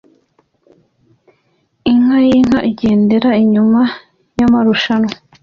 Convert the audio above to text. Inka yinka igendera inyuma ya marushanwa